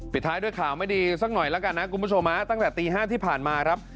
ท้ายด้วยข่าวไม่ดีสักหน่อยแล้วกันนะคุณผู้ชมฮะตั้งแต่ตี๕ที่ผ่านมาครับ